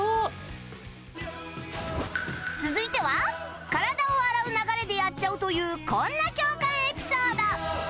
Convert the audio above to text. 続いては体を洗う流れでやっちゃうというこんな共感エピソード